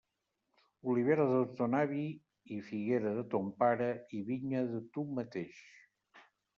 Olivera de ton avi, i figuera de ton pare, i vinya de tu mateix.